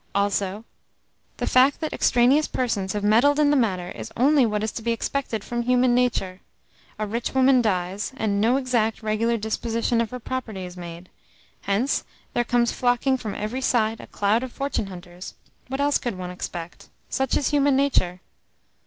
Also, the fact that extraneous persons have meddled in the matter is only what is to be expected from human nature. A rich woman dies, and no exact, regular disposition of her property is made. Hence there comes flocking from every side a cloud of fortune hunters. What else could one expect? Such is human nature."